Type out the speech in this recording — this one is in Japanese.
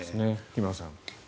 木村さん。